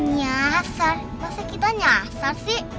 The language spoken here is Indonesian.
nyasar pasti kita nyasar sih